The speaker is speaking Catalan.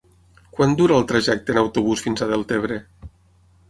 Quant dura el trajecte en autobús fins a Deltebre?